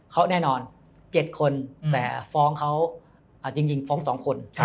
เขาแน่นอน๗คนแต่ฟ้องเขาจริงฟ้อง๒คน